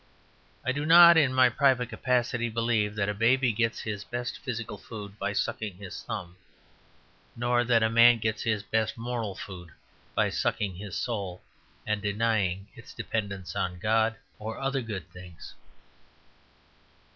I do not, in my private capacity, believe that a baby gets his best physical food by sucking his thumb; nor that a man gets his best moral food by sucking his soul, and denying its dependence on God or other good things.